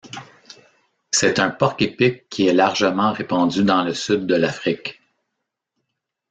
C'est un porc-épic qui est largement répandu dans le sud de l'Afrique.